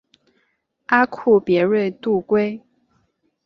阿库别瑞度规。